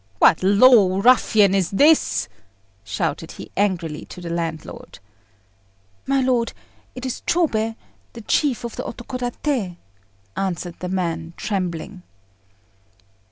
"What low ruffian is this?" shouted he angrily to the landlord. "My lord, it is Chôbei, the chief of the Otokodaté," answered the man, trembling.